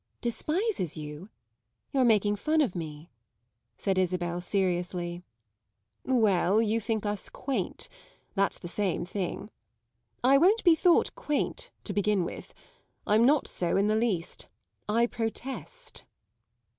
"Despises you? You're making fun of me," said Isabel seriously. "Well, you think us 'quaint' that's the same thing. I won't be thought 'quaint,' to begin with; I'm not so in the least. I protest."